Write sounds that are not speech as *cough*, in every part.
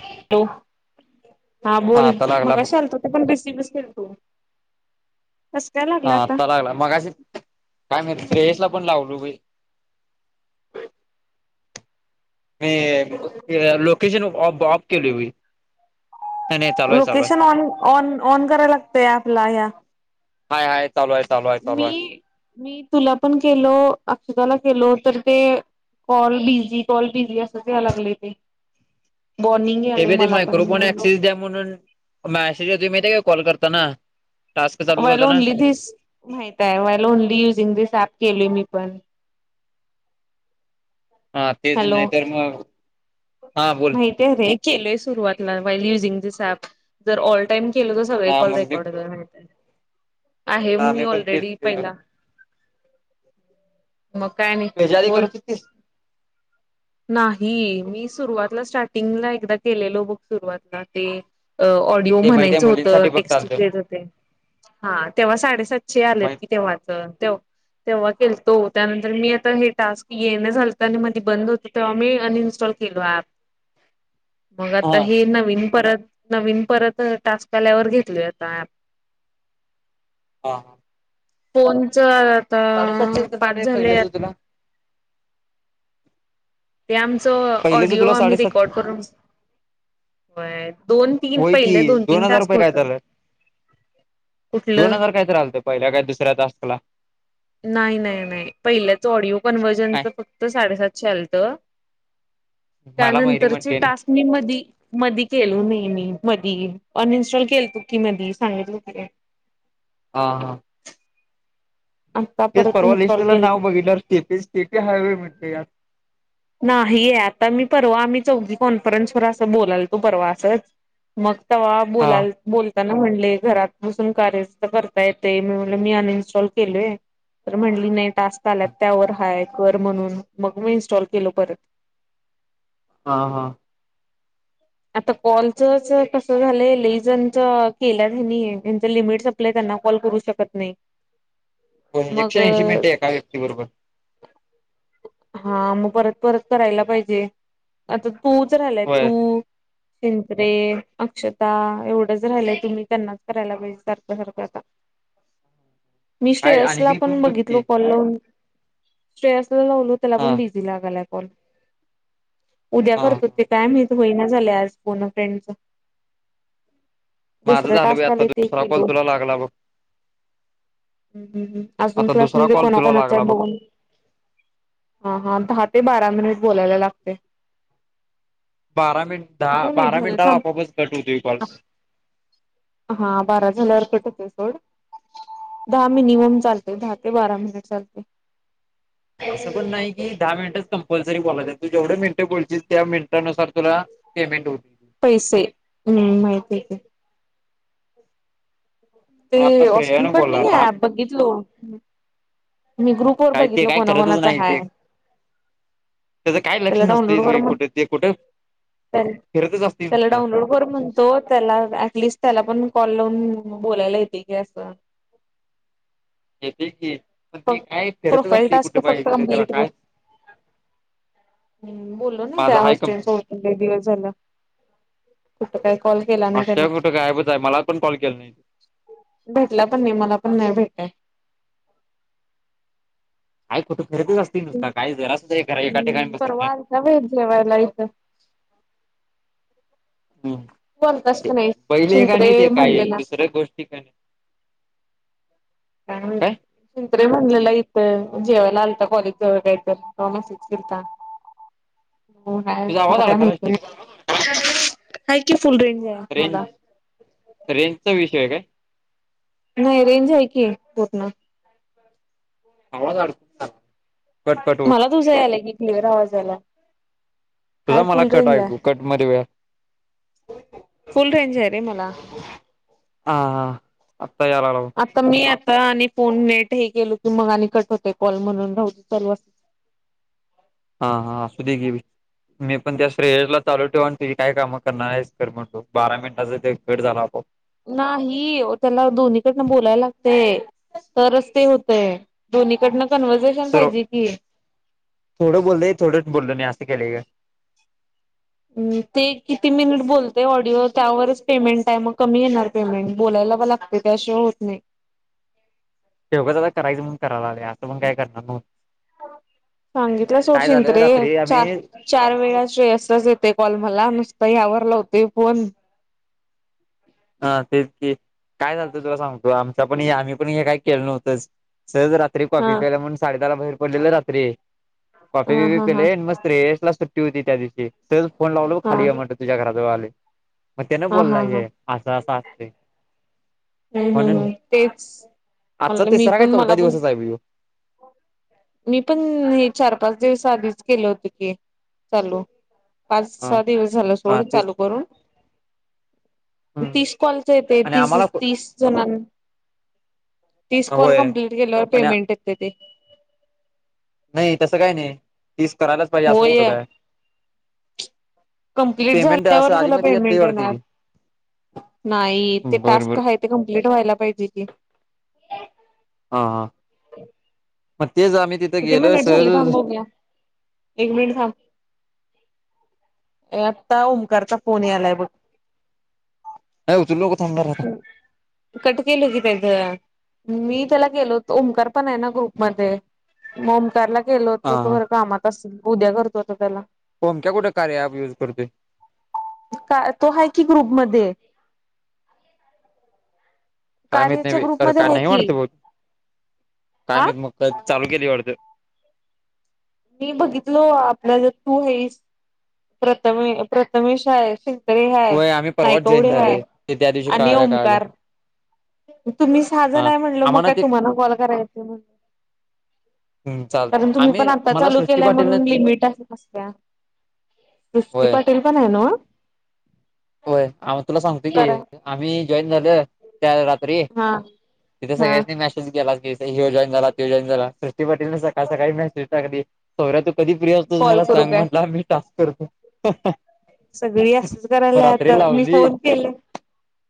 Hello हा बोल आता लागला बघ मगाशी आलत ते पण बेस शपू. हा आता लागला मगाशी काय मी श्रयेश ला पण लावलो मी. हो *unintelligible* मी लोकेशन ऑफ केली मी लोकेशन ऑन ऑन ऑन कराय लागतय आपला ह्या हाय हाय चालू आहे चालू आहे चालू मी आहे मी तुला पण केलो अक्षताला गलो तर ते कॉल बिझी कॉल बिझी असच यायला लागले ते वॉर्निंग ते यायलंय ते मला पण मायक्रोफोन म्हणलो ऍक्सिस द्या म्हणून मॅसेज होते माहि का कॉल करताना. टास्क चालू वयल करताना ओनली स माहित आहे while only using this app केलय मी पण. हा तेच हॅलो नाही तर म माहिती आहे रे केलय सुरुवातला युजिंग दिस ॲप जर ऑल टाइम केलं तर सगळे हा कॉल मग मी रेकॉर्ड कर म्हणतात. आहे हा ममी मी पण तेच ऑलरेडी केलो पहिला. मकाय नई त्याच्या आधी बोल. करत होतीस नाही मी सुरुवातला स्टार्टिंगला एकदा केलेलो बघ सुरुवातला ते ऑडिओ ते माहिती आहे म्हणायचं होत मुलींसाठी फक्त टेक्स्ट *unintelligible* आलतं पलेच होते हा तेव्हा साडेसातशे आलेत माहित कि तेव्हाच तेव्हा तेव्हा केलतो त्यानंतर मी आता हे टास्क येण झालत आणि मधी बंद होते. तर आम्ही अनइन्स्टॉल केलो ॲप मग आता हा हे नवीन परत नवीन परत टास्क आल्यावर घेतलता ॲप हा फोनच आता साडेसातशे रुपये पाच झालंय झाले. पहिल्याच तुला ते आमच पहिल्याच ऑडिओ तुला आमी साडेसातशे रेकॉर्ड करून होय दोन तीन होय कि पहिले दोन तीन हजार टास्क रुपये काय होत चालंय. दोन कुठलं हजार कायतर आलत पहिल्या काय दुसऱ्या तास्कला. नाही नाही नाही पहिल्याच ऑडिओ काय कन्व्हर्जनच फक्त साडेसातशे आलत. मला मयुरी त्यानंतरचे म्हणते आणि टास्क मी मधी मधी केलो नाय मी. मधी अनइनस्टॉल केल तु की मधी सांगित किनाई. हा हा आता तेच परत परवा इन्स्टॉल लिस्टला नाव केलतो बघितणार सेटी हायवे म्हण यात नाहीये आता मी परवा आम्ही चौथी कॉन्फरन्सवर असं बोलाल तो परवा असंच. मग त्हा हा बोला बोल त्याना म्हणले घरात बसून कार्य तर करता येते मी म्हण मी अनइन्स्टॉल केलेय. तर म्हटली नाही टास्क आल्यात त्यावर हाय कर म्हणून मग मी इनस्टॉल केलो परत. हां हां. आता कॉलच च कस झालय लेई जनच केले कॉल करू शकत नाही. हो एकशे ऐंशी मग मिनटे एका व्यक्ती बरोबर. हा मग परत परत करायला पाहिजे. आता तूच राहिलाय होय तू पिंपरे, अक्षता एवढंच राहिलंय तुम्ही त्यांनाच करायला पाहिजे सारखं सारखं आता. ह *inaudible* मी श्रेयसला पण बघितलो कॉल लाऊन श्रेयस ते लावलय त्याला हा पण बीझी लागायला कॉल उद्या हा करतेत काय माहित व्हइना झाले आज फोन अ फ्रेंडच. माझं दुसरं झालं बी टास्क आता आले ते दुसरा कॉल खेलो. तुला लागला बघ ह् अजून आता क्लास दुसरा मधे कॉल तुला कोणाकणाचा लागला बघ बघून हा हा दहा ते बारा मिनिट बोलायला लागते. बारा मिनट दहा बारा मिनिटाला आपआपच घट होतोय कॉल. हा बारा झाल्यावर कट होतोय सोड दहा मिनिमम चालतय दहा ते बारा मिनट चालतय. असं पण नाही की दहा मिनिटच कंपल्सरी बोलायचय तू जेवढे मिनट बोलचील त्या मिनटानुसार तुला पेमेंट होत. पैसे हम् माहिती ते मला आता ऑस्टन श्रेयानं पडणी बोलला दहा आहे मिनिट बघच लो काय ते काय करतच नाही हाय ते त्याचं काय लक्ष त्याला नसत डाउनलोड कर म्हण कुठे ते कुठे फिरतच असते त्याला नुसता डाउनलोड कर म्हणतो त्याला अटलिस्ट त्याला पण कॉल प बोलायला येते की असं य ते क पण ते फक् काय फिरतच प्रोफाईल असते टास्क कुठे पाहिजे त्याला काय हम्म बोलो ना त्या माझा हाय हॉस्टेल कंप्लीट च का एक दिवस झाला कुठं काय अ फोटं कायबच आहे मला पण कॉल केला नाही भेटला पण नाही मला पण नाही भेटय आयकुठ घरेतच असतील नुसता काय जरासद्धा घरा एका ठिकाणी बसत परवा नाही आलता बाई जेवायला इथं बोलतास हम् का नाही बैले का शिंत्रे नाही ते काय एक म्हणलेला दुसऱ्या गोष्टी कने का चंत्रे म्हणलेला यथं जेवायला आलता कॉलेज जळ काहीत तॉमस केता हो हाय तुझा आवाज मला काय मा अडकायला कि फुल रेंज आहे रेंज मला रेंजचा विषय आहे काय नाही रेंज आहे की आहे पोटना आवाज अडक मला तुझ या आलाय की क्लवरर आवाजाला तुझा मला कट ऐकू कट मध्ये वेळ फुल रेंज आहे रे मला हा हा यायला लागला आता मी तर आणि फोन नेट हे केलो की मग आणि कट होते कॉल म्हणून रा लू अस हा हा असूध ग भी मी पण त्या श्रेय ला चालू ठेव आणि तुझी काय कामं करणार आहे कर म्हणतो बारा मिनिटाचा ते गेट झाला आप नाही त्याला दोन्हीकडनं बोलायला लागतेय तरच ते होते निकट तर थोडं बोलत थोडंच बोलतो मी असं केलंय का ते किती मिनिट बोलते ऑडिओ त्यावरच पेमेंट टायम कमी येणार पेमेंट बोलाय लागत त्याशिवाय होत नाही तेेवगच आता करायचं मग करायला लागले असं मण काय करणार म सांगितलं सोड चिंत रे चार चार वेळा श्रेसतच येते कॉल मला नुसतं यावर होते फोन हा तेच क काय चालतं तुला सांगतो आमच्या पण आम्ही पण हे काही केलं नव्हतच सहज रात्री हा कॉपी प्यायला म्हणून साडेदहाला बाहेर पडलेलं रात्री कॉफी हा बिफी हा हा पिले मग स््रे ला होती त्या दिवशी स फोन लावला हा खाली म्हण तझ्या घराात आले मग त्यानं हा बोलला हा हा आहे असं असं असते हम्म हम् हम् तेच आजचा मला मी तिसरा काय पण चौथा मला पण दिवसच आहे बघ ह्यो मी पण हे चार पाच दिवस आधीच केलं होत की चालू. पाच हा सहा दिवस झाला हा सोड तेच चालू करून. हम्म तीस कॉलच येते. आणि तीस आम्हाला *unintelligible* तीस कॉल होय कम्प्लीट केल्यावर आणि पेमेंट येते ते. नाही तसं काय नाही तीस करायलाच पाहिजे असं कुठं होय काय. कंप्लीट पेमेंट झाल्यावर असं आधी तुला मधी येत पेमेंट वाटते येणार. की नाही ते टास्क बरोबर आहे ते कंमप्लीट व्हायला पाहिजे की. हा हा. मग तेच आम्ही तिथं किती गेलो मिनिट झाले सहज थांब बघुया, एक मिनिट थांब. आता ओमकारचा फोन यालाय बघ. हे ऊचलु नको. थांबणार आता कट केलो कि तेज. मी त्याला केलो होतो, ओमकार पण आहे ना ग्रुपमध्ये, म ओमकारला केलो होतो तो हा खरं कामात असलं, उद्या करतो आता त्याला. ओमक्या कुठे कार्या ऍप युज करतोय काय तो आहे कि ग्रुपमध्ये. काय माहीत नाही कार्याच्या बाई, खर ग्रुपमध्ये काय आहे नै की वाढत बहूतेक. काय हा माहित, चालु केली वाढतं. मी बघितल, आपल्या ज तू हे प्रथमे, प्रथमेशा आहे. हाय, होय आम्ही परवाच जॉईन नायकवडे हाय, झाले ते त्या दिवशी आणि कळाल्या कळाल्या ओमकार, तुम्ही साहा जण हा हाय म्हणलं, मग आम्हाला काय ते तुम्हाला कॉल कराय येतय म्हणलं. चाल कारण तुम्ही आम्ही पण आता मला चालू सृष्टी केलंय पाटील म्हणून लिमिट अशी नसत्या. सृष्टी होय पाटील पण हाय नवं. होय, आम तुला सांगतो की, करा आम्ही जॉईन झालं. त्या रात्री, हा तिथं हा सगळ्यांनी मॅसेज गेलाच. हो जॉईन झाला, तो जॉईन झाला, सृष्टी पाटील न सकाळ सकाळी मॅसेज टाकली. सौर तु कधी फी असतोस कॉल मला करू सांग काय म्हटलां मी टास्क करतो. सगळी असच मग करायलात, रात्री आता मी लावली फोन केले.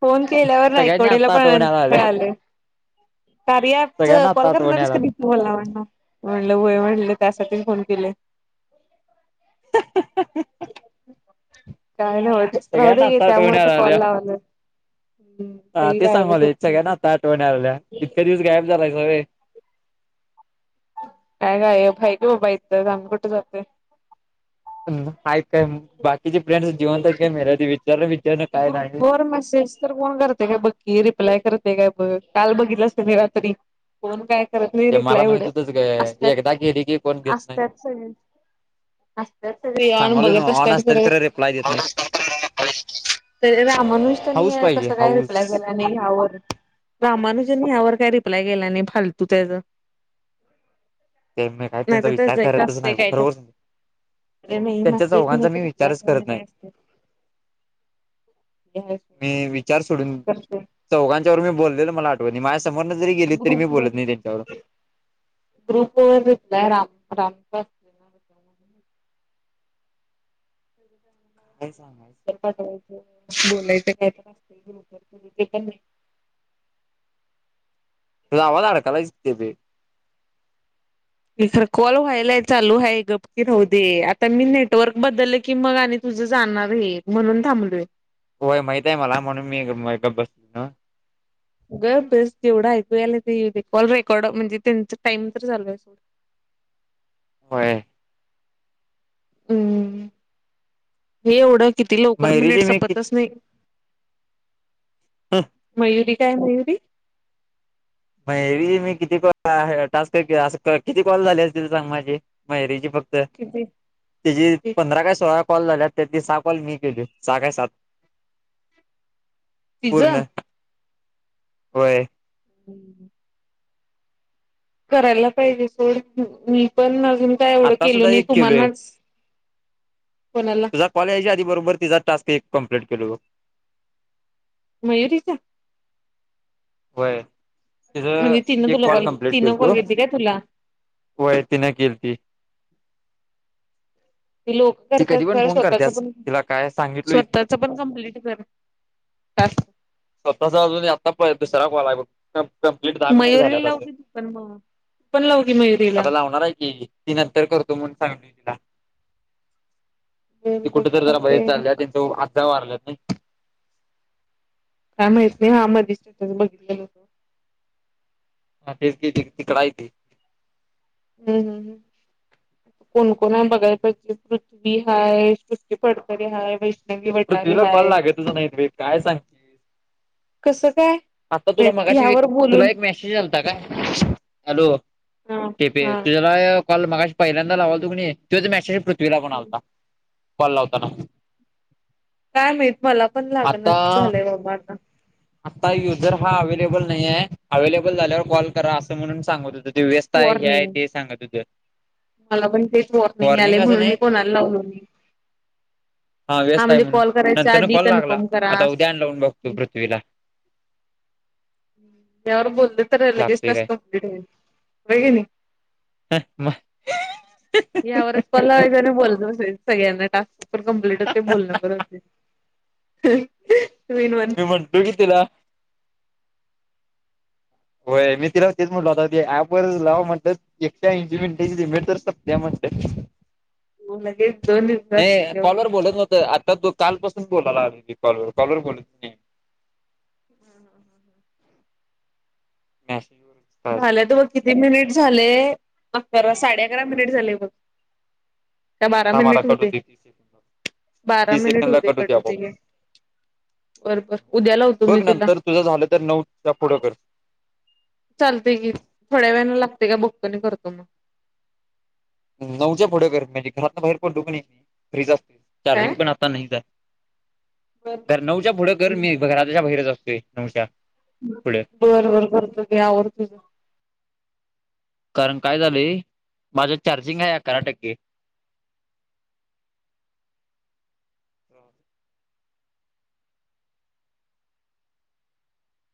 फोन केल्यावर सगळ्यांनी नायकवडेला आत्ता आठवण पण यायला लागल्या कळालय. कार्या ॲप सगळ्यांना कॉल आत्ता करणारीस आठवण आहेस का यायला नाई तू मला म्हणलं, वय म्हणलं त्यासाठी फोन केलेय. *inaudible* हा हा हा काय नव्हच, राहुदे घे, आठवण त्यामुळे तर यायला कॉल लागल्या लावलं. हा ते सांगालोय, सगळ्याच ना आता आठवण याय लागल्या इतक्या दिवस गायब झाला सा होय. काय गायब, हाय की बाबा इथंच आम्ही कुठं जातोय. आहेत काय म, बाकीचे फ्रेंड्स जिवंत हायत का मेलीत विचार ग्रुप वर मेसेज तर कोण करतय, काय बक्की रिप्लाय करते काय बघ. काल बघितलास क नाय रात्री, कोण काय करत नाही ते मला रिप्लाय माहित एवढं, होतंच ग असतत एकदा गेली की कोण घेत नाही असतत सगळी. असतात सगळी ऑन सांगालोय बघत नव्ह ऑन असतात असत्यात खरं रिप्लाय देत नाहीत रामानुज हाऊस त्यांनी पाहिजे कसा काय रिप्लाय हाऊस केला नाही या वर, रामानुजवर काय रिप्लाय गेला नाही, फालतू त्याच. ते म काही नाही त्यांचा तर विचार एक करतच असतंय नाही काय तर खरोखर सांगतो. अरे नाही त्यांच्या मेसेज चौघांचा नाही मी तर रिप्लाय विचारच केला करत नाही. काय असतंय आहे फोन मी विचार सोडून, करते चौघांच्या वर मी बोललेल मला आठवत नाही माझ्या समोरन जरी गेली, तरी मी ग्रुप वर बोलत नाही त्यांच्याबरोबर. ह्यो रीपलाय राम रामचा काय सांगायचं *unintelligible* बोलायचं काय तर असत ते प नाही. आवाज अडकायलाय ते बी. कॉल व्हायलाय चालू हाय, गप कि राहु दे आता मी नेटवर्क बदलं की मग आणि तू तुझं जाणार हे म्हणून थांबलोय. होय माहित आहे मला म्हणून मी गप बसलोय नव. गप बस जेवढं ऐकूयालाय तेवढं ऐऊ दे, कॉल रेकॉर्ड म्हणजे त्यांच टाइम तर चालू होय. हम्म. हे एवढं किती लवकर मिनिट मयुरीचे मी किती सपतच नाही. मयुरी काय मयुरी? मयरी मी किती कॉ टास्क असं किती कॉल झाले असतील सांग माझे, मयरीची फक्त? किती तीजी पंधरा, काय सोळा कॉल झाल्यात. त्यातली सहा कॉल मी केलोय. सहा काय सात तिज? पूर्ण होय. हम. करायला पाहिजे सोड मी पण अजून काय एवढं आत्ता केलो सुुद्धा नाही एक केलोय. तुम्हानाच कोणाला तुझा कॉल यायच्या आधी बरोबर तिझा टास्क एक कमप्लीट केलो बघ. मयुरीचा? होय. तीचा म्हणजे तिनं एक तुला कॉल कम्प्लीट तिनं केलतो कॉल घेतली काय तुला व्हय तीनं किलती. लोक ती करतात कधी पण खरं फोन स्वतःच करत्याच. पण तिला काय सांगितलोय मी स्वतःच पण कंप्लीट कर टास्क स्वतःचा अजून आता प दुसरा कॉल हाय बघ कंप्लीट दहा मिनिटं मयुरीला झाल्यात लाव असं की तू पण मग तू पण लाव की मयुरीला आता लावणार हाय की ती नंतर करतो म्हणून सांगितल्या बर ती बर कुठेतर जरा बाहेर चालतंय चालल्या काय त्यांच आज्जा वारल्यात नाइ काय माहित नाही बा मधी स्टेटस बघितलेलो. हा तेच की तिकडं हाय ती. हम्म हम हम. कोण कोण हाय बघाय पाहिजे. पृथ्वी हाय, श्रुती फडतरे हाय, वैष्ण पृथ्वीला कॉल लागतच नाइ त काय सांग कसं काय आता तुला नाहीतर मगाशी ह्यावर तुला बोलून एक मेसेज आलता काय? हॅलो! हा टेपे हा तुझ्या काल कॉल मगाशी पहिल्यांदा लावाल तु कने तोच मॅसेज पूर पृथ्वीला पण आलता. कॉल लावताना. काय माहित मला पण आता लागणाच झालंय बाबा आता. आता युझर हा अव्हेलेबल नाही आहे. अवे्हेलेबल झाल्यावर कॉल करा असं म्हणून सांगत होतं ते व्यस्त य, हे हाय, वॉर्निंग ते सांगत हुतं मला पण तेच वॉर्निंग यालंय असं म्हणून मी नाही कोणाला लावलो नाही. हा व्यस्त आहे म्हणजे म्हणून कॉल करायच्या नंतर न आधी कॉल लागला कन्फर्म करा आता उद्यान लावून बघतो असं पृथ्वीला त्यावर बोलले तर लगेच लागतोय टास्क काय कंप्लिट होईल. होय कणी? मग यावरच पलाजने बोलतो. सगळ्यांना टास्क कंप्लीट होतंय. बोलणं पण होतंय. मी म्हणतो की तिला होय मी तिला तेच म्हटलो आत्ता ते ऍप वरचं लाव म्हणलं, एकशे ऐशी मिनिटाची ची लिमिट तर संपत्या म्हंटल लगेच दोन दिवसात हे होतय कॉल वर म्हणाव बोलत होत, आता तू कालपास बोलायलागलंय कि कॉल वर कॉलर बोलत *unintelligible* *inaudible* काय असेल झाल्यात बघ कि किती मिनिट झालंय. अकरा-साडे-अकरा मिनिट झाले बघ. का बारा थांब आता मिनिट हु कट दे. होतोय तीस सेकंद बारा तीस मिनिट होउ सेकंदला दे कट होतोय होतंय आपोआप घे. बर-बर उद्या लावतो मी बघ तिला. नंतर तुझं झालं तर नऊच्या पुढं कर चालते की थोड्या वेळानं लागते का बघतो आणि करतो मग. नऊच्या पुढं कर म्हणजे, घरातन बाहेर पडलो कि नय फ्रीच असतोयं, चार्जिंग काय. पण आता नाहीच हाय. तर नऊच्या पुढं कर मी घराच्या बाहेरच असतोय नऊच्या पुढे बरं बरं करतो कि *unintelligible* कारण काय झालयं, माझं चार्जिंग आहे अकरा टक्के. *inaudible*